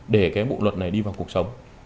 để cái bộ luật này đi vào cuộc sống